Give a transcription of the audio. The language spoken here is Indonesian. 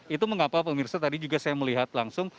itu mengapa pemirsa tadi juga saya melihat langsung